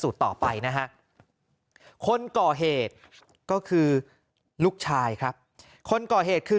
ต่อไปนะฮะคนก่อเหตุก็คือลูกชายครับคนก่อเหตุคือ